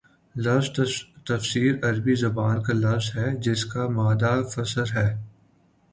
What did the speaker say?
لفظ تفسیر عربی زبان کا لفظ ہے جس کا مادہ فسر ہے